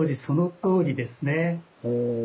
そのとおりですね。